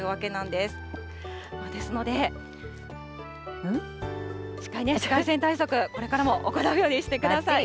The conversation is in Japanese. ですので、紫外線対策、これからも行うようにしてください。